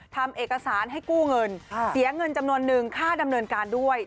ทำเอกสารให้กู้เงินเสียเงินจำนวนนึงค่าดำเนินการด้วย